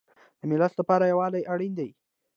د ملت لپاره یووالی اړین دی